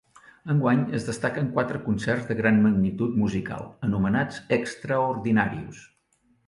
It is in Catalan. Enguany es destaquen quatre concerts de gran magnitud musical, anomenats ‘Extraordinàrius’.